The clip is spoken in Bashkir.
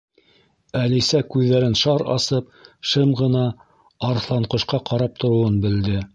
Әлисә күҙҙәрен шар асып, шым ғына Арыҫланҡошҡа ҡарап тороуын белде.